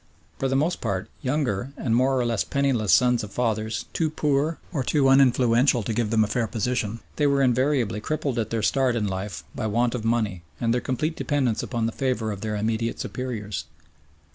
For the most part younger and more or less penniless sons of fathers too poor or too uninfluential to give them a fair position, they were invariably crippled at their start in life by want of money and their complete dependence upon the favour of their immediate superiors.